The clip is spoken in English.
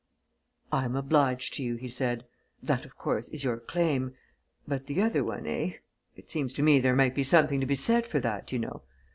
"I am obliged to you," he said. "That, of course, is your claim. But the other one, eh? It seems to me there might be something to be said for that, you know?